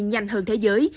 nhanh hơn thế giới